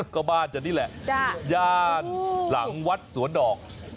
ก็บ้านจะนี่แหละย่านหลังวัดสวนดอก